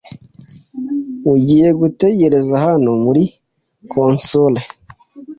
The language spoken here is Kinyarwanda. Ugiye gutegereza hano muri konsul?